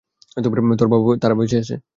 তারা বেচে আছে।